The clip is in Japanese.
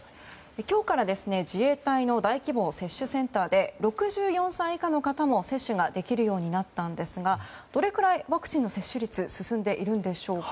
今日から自衛隊の大規模接種センターで６４歳以下の方も接種ができるようになったんですがどれくらいワクチンの接種率進んでいるんでしょうか。